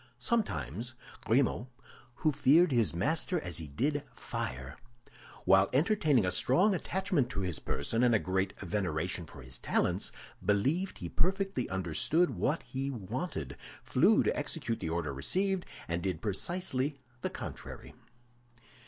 Sometimes, Grimaud, who feared his master as he did fire, while entertaining a strong attachment to his person and a great veneration for his talents, believed he perfectly understood what he wanted, flew to execute the order received, and did precisely the contrary.